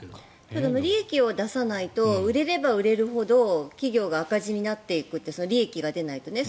ただ利益を出さないと売れれば売れるほど企業が赤字になっていくと利益が出ないとね。